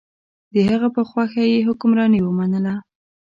د هغه په خوښه یې حکمراني ومنله.